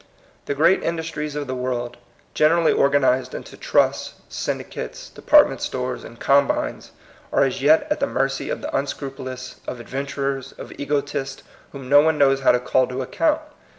The great PROBLEM OF THE PROSPEROUS. 117 industries of the world, generally organized into trusts, syndicates, department stores, and combines, are as yet at the mercy of the unscrupulous, of adventurers, of ego tists, whom no one knows how to call to account.